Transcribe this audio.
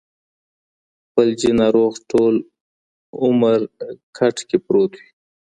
فلجي ناروغ ټول عمر کټ کې پروت وي.